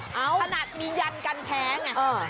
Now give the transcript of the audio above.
ถนัดมียันกันแพง